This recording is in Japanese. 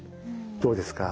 どうですか？